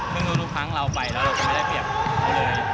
เพิ่งทุกครั้งเราไปแล้วเราจะไม่ได้เปรียบเลย